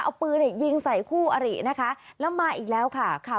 เอาปืนยิงใส่คู่อรินะคะแล้วมาอีกแล้วค่ะค่ะ